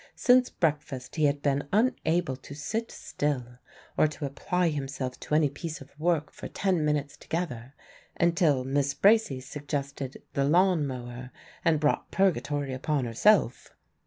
Since breakfast he had been unable to sit still or to apply himself to any piece of work for ten minutes together, until Miss Bracy suggested the lawn mower and brought purgatory upon herself.